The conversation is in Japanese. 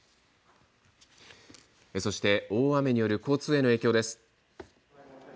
そして、大雨による交通への影響です。